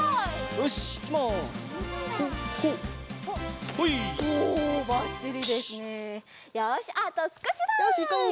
よしいこう！